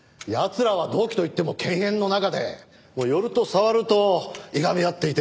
らは同期といっても犬猿の仲で寄ると触るといがみ合っていて。